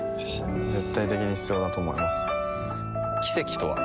絶対的に必要だと思います奇跡とは？